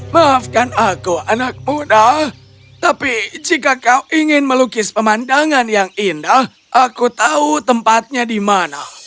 maafkan aku anak muda tapi jika kau ingin melukis pemandangan yang indah aku tahu tempatnya di mana